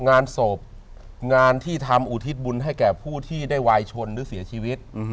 งานศพงานที่ทำอุทิศบุญให้แก่ผู้ที่ได้วายชนหรือเสียชีวิต